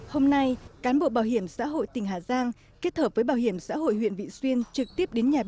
hôm nay cán bộ bảo hiểm xã hội tỉnh hà giang kết hợp với bảo hiểm xã hội huyện vị xuyên trực tiếp đến nhà